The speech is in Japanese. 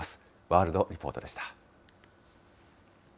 ワールドリポートでした。